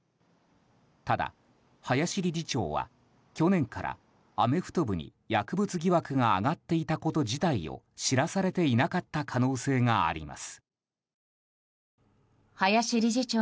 ただ、林理事長は去年からアメフト部に薬物疑惑が上がっていたこと自体を知らされていなかった可能性があります。